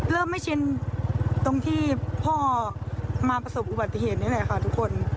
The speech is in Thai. เริ่มไม่ชินตรงที่พ่อมาผสมอุบัติโบเผตนี้แหละค่ะทุกคน